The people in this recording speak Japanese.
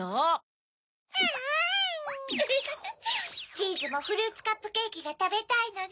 チーズもフルーツカップケーキがたべたいのね。